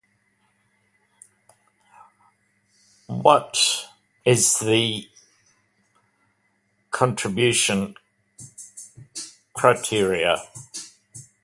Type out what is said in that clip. Laborde is known for his particular vision and great versatility in movie styles.